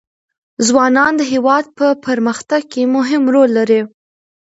ځوانان د هېواد په پرمختګ کې مهم رول لري.